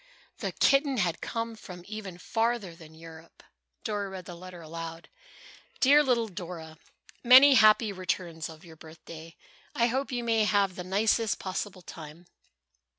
The kitten had come from even farther than Europe! Dora read the letter aloud. "DEAR LITTLE DORA: "Many happy returns of your birthday! I hope you may have the nicest possible time.